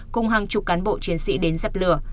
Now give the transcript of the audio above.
cùng hàng chục cán bộ chiến sĩ đến dập lửa